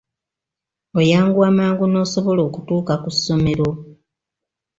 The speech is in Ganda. Oyanguwa mangu n'osobola okutuuka ku ssomero.